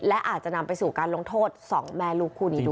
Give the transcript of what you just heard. และอาจจะนำไปสู่การลงโทษ๒แม่ลูกคู่นี้ด้วย